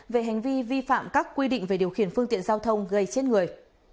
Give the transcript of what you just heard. về hành vi vi phạm các quy định về điều khiển phương tiện giao thông gây chết người